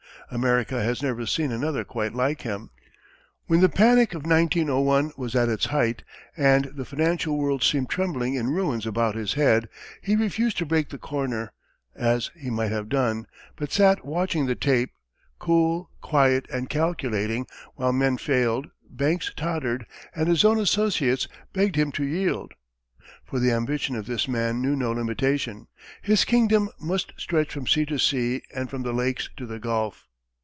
America has never seen another quite like him. When the panic of 1901 was at its height and the financial world seemed trembling in ruins about his head, he refused to break the corner, as he might have done, but sat watching the tape, cool, quiet and calculating, while men failed, banks tottered, and his own associates begged him to yield. For the ambition of this man knew no limitation. His kingdom must stretch from sea to sea and from the lakes to the gulf.